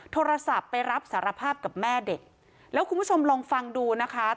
โทรศัพท์ไปรับสารภาพกับแม่เด็กแล้วคุณผู้ชมลองฟังดูนะคะ